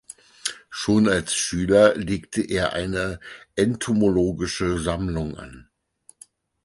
Schon als Schüler legte er eine entomologische Sammlung an.